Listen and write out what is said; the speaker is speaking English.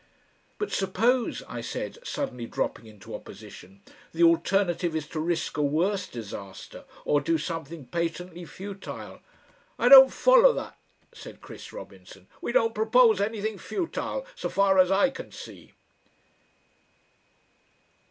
"But suppose," I said, suddenly dropping into opposition, "the alternative is to risk a worse disaster or do something patently futile." "I don't follow that," said Chris Robinson. "We don't propose anything futile, so far as I can see."